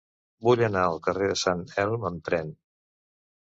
Vull anar al carrer de Sant Elm amb tren.